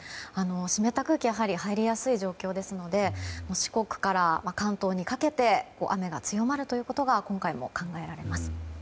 湿った空気が入りやすい状況ですので四国から関東にかけて雨が強まるということが今回も考えられます。